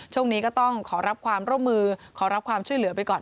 ช่วงนี้ก็ต้องขอรับความร่วมมือขอรับความช่วยเหลือไปก่อน